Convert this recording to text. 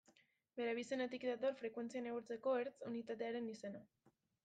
Bere abizenetik dator Frekuentzia neurtzeko hertz unitatearen izena.